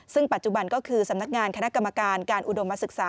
ซึ่งปัจจุบันก็คือสำนักงานคณะกรรมการการอุดมศึกษา